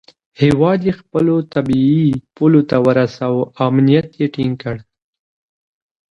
هیواد یې خپلو طبیعي پولو ته ورساوه او امنیت یې ټینګ کړ.